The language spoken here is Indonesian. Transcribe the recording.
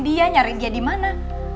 dia nyari dia dimana